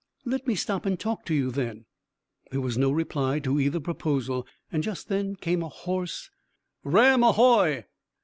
"Let me stop and talk to you, then." There was no reply to either proposal, and just then there came a hoarse "Ram ahoy!"